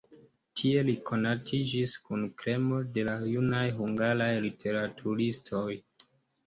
Tie li konatiĝis kun kremo de la junaj hungaraj literaturistoj.